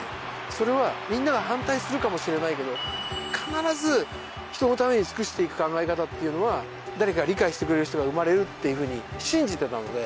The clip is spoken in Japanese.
それはみんなが反対するかもしれないけど必ず人のために尽くしていく考え方っていうのは誰か理解してくれる人が生まれるっていうふうに信じてたので。